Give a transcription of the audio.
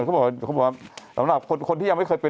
เขาบอกว่าสำหรับคนที่ยังไม่เคยเป็น